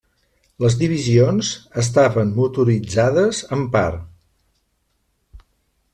Les divisions estaven motoritzades en part.